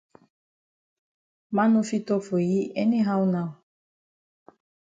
Man no fit tok for yi any how now.